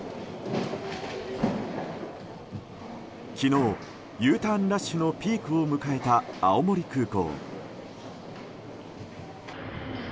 昨日、Ｕターンラッシュのピークを迎えた青森空港。